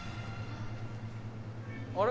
あれ？